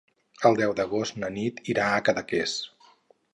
El deu d'agost na Nit irà a Cadaqués.